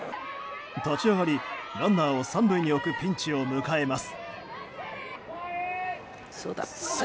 立ち上がり、ランナーを３塁に置くピンチを迎えます。